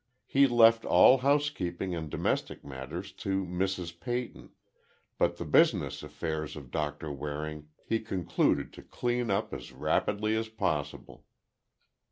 He left all housekeeping and domestic matters to Mrs. Peyton, but the business affairs of Doctor Waring, he concluded to clean up as rapidly as possible.